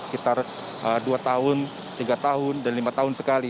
sekitar dua tahun tiga tahun dan lima tahun sekali